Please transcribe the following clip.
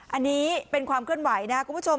อันนี้เป็นความเคลื่อนไหวนะคุณผู้ชม